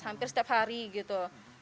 hampir setiap hari gitu